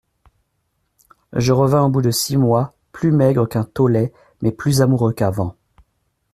Je revins au bout de six mois, plus maigre qu'un tolet, mais plus amoureux qu'avant.